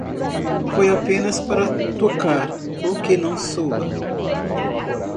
Foi apenas para tocar o que não soa.